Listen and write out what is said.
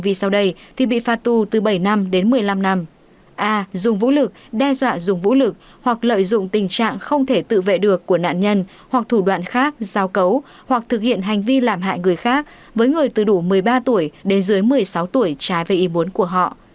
b dùng vũ lực đe dọa dùng vũ lực hoặc thủ đoạn khác giao cấu hoặc thực hiện hành vi làm hại người khác với người từ đủ một mươi ba tuổi đến dưới một mươi sáu tuổi trái về ý muốn của họ